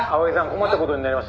困った事になりました」